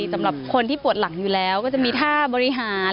สำหรับคนที่ปวดหลังอยู่แล้วก็จะมีท่าบริหาร